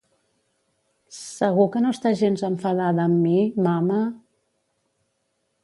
Segur que no estàs gens enfadada amb mi, mama?